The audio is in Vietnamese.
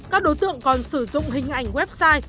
các đối tượng còn sử dụng hình ảnh website